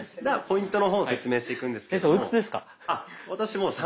ポイントの方を説明していくんですけども。